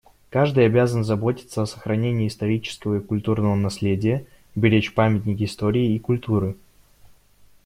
Каждый обязан заботиться о сохранении исторического и культурного наследия, беречь памятники истории и культуры.